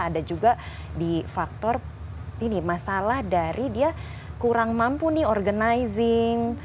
ada juga di faktor ini masalah dari dia kurang mampu nih organizing